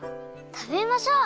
たべましょう！